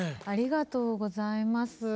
ありがとうございます。